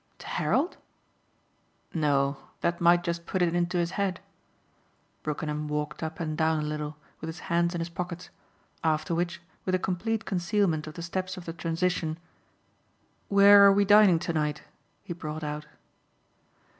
"To Harold?" "No that might just put it into his head." Brookenham walked up and down a little with his hands in his pockets, after which, with a complete concealment of the steps of the transition, "Where are we dining to night?" he brought out.